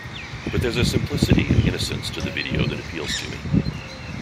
But there's a simplicity and innocence to the video that appeals to me.